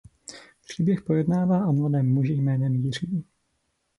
Příběh pojednává o mladém muži jménem Jiří.